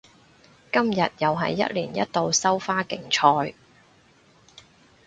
今日又係一年一度收花競賽